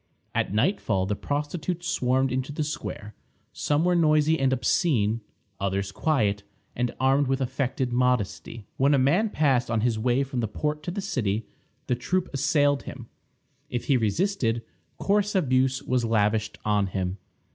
At nightfall the prostitutes swarmed into the square. Some were noisy and obscene; others quiet, and armed with affected modesty. When a man passed on his way from the port to the city, the troop assailed him. If he resisted, coarse abuse was lavished on him.